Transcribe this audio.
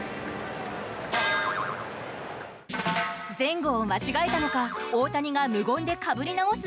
前後を間違えたのか大谷が無言でかぶりなおす